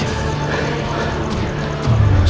aku pun tidak tahu